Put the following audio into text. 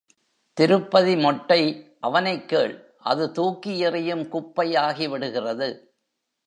திருப்பதி மொட்டை அவனைக் கேள் அது தூக்கி எறியும் குப்பை ஆகிவிடுகிறது.